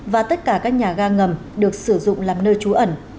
và tất cả các nhà ga ngầm được sử dụng làm nơi trú ẩn